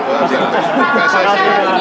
tanya ke pak erick